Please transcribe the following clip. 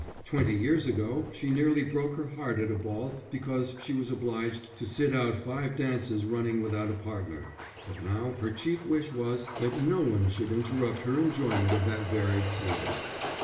Twenty years ago she nearly broke her heart at a ball because she was obliged to sit out five dances running without a partner, but now her chief wish was that no one should interrupt her enjoyment of that varied scene.